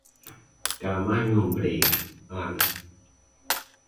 Caamaño Ombreiro, Ana.